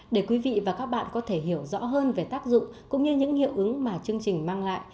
để quý vị và các bạn có thể hiểu rõ hơn về tác dụng cũng như những hiệu ứng mà chương trình mang lại